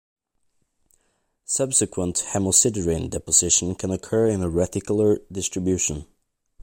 Subsequent hemosiderin deposition can occur in a reticular distribution.